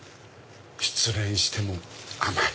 失恋しても甘い。